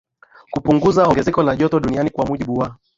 kupunguza ongezeko la joto Duniani Kwa mujibu wa